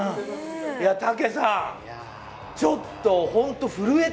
武さん、ちょっとホント震えた！